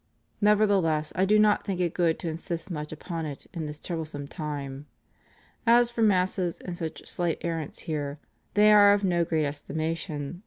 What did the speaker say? Nevertheless I do not think it good to insist much upon it in this troublesome time. As for Masses and such slight errants here, they are of no great estimation.